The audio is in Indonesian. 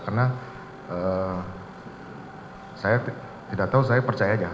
karena saya tidak tahu saya percaya saja